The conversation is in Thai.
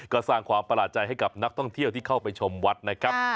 ก็สร้างความประหลาดใจให้กับนักท่องเที่ยวที่เข้าไปชมวัดนะครับ